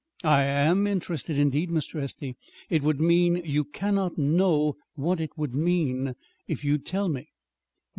"I am interested. Indeed, Mr. Estey, it would mean you cannot know what it would mean if you'd tell me."